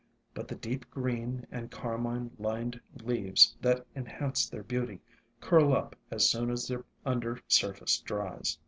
But the deep green and carmine lined leaves that enhance their beauty curl up as soon as their under surface dries.